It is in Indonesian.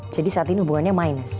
jadi saat ini hubungannya minus